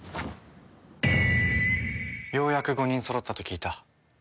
ようやく５人そろったと聞いた。